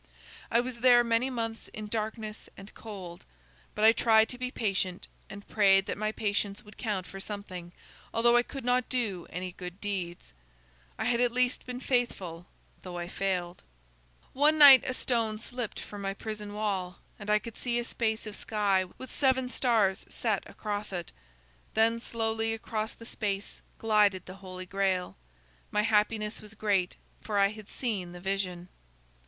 "I was there many months in darkness and cold. But I tried to be patient, and prayed that my patience would count for something, although I could not do any good deeds. I had at least been faithful though I failed. "One night a stone slipped from my prison wall, and I could see a space of sky, with seven stars set across it. Then slowly across the space glided the Holy Grail. My happiness was great, for I had seen the vision.